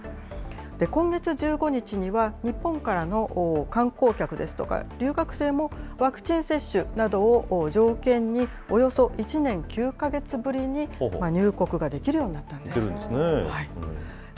今月１５日には、日本からの観光客ですとか、留学生もワクチン接種などを条件に、およそ１年９か月ぶりに入国ができるようになったんですね。